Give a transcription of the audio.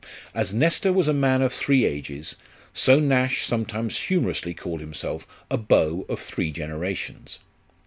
As Nestor was a man of three ages, so Nash sometimes humorously called himself a beau of three generations.